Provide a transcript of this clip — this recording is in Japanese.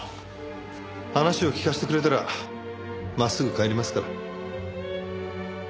話を聞かせてくれたら真っすぐ帰りますから。